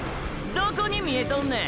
どこに見えとんねん。